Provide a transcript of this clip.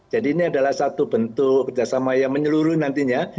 jadi ini adalah satu bentuk kerjasama yang menyeluruhi nantinya